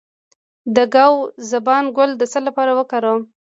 د ګاو زبان ګل د څه لپاره وکاروم؟